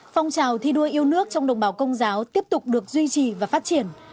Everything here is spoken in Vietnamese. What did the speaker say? phong trào thi đua yêu nước trong đồng bào công giáo tiếp tục được duy trì và phát triển